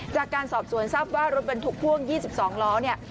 จากการสอบสวนทราบว่ารถบรรทุกพ่วง๒๒ล้อเนี่ย